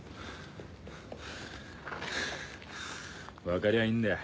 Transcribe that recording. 分かりゃいいんだよ。